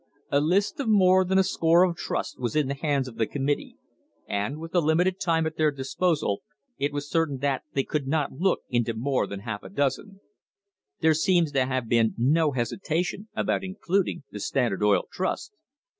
A list of more than a score of trusts was in the hands of the committee, and, with the limited time at their disposal, it was certain that they could not look into more than half a dozen. There seems to have been no hesitation about including the Standard Oil Trust.